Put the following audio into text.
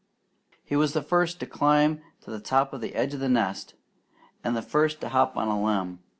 He was the first to climb to the edge of the nest and the first to hop on a limb.